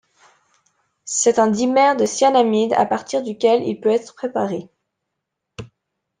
C'est un dimère de cyanamide à partir duquel il peut être préparé.